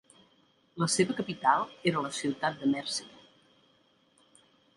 La seva capital era la ciutat de Merseburg.